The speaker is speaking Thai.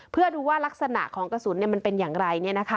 เพื่อดูว่ารักษณะของกระสุนมันเป็นอย่างไร